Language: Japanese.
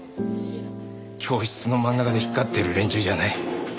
教室の真ん中で光ってる連中じゃない。